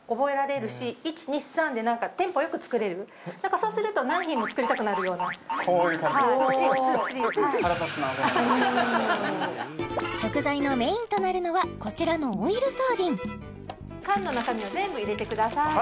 そうすると何品も作りたくなるようなこういう感じはい１２３食材のメインとなるのはこちらのオイルサーディン缶の中身を全部入れてください